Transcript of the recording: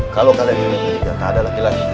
kalau kalian bertingkah tidak ada laki laki